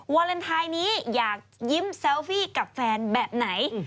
วาเลนไทยนี้อยากยิ้มแซวฟี่กับแฟนแบบไหน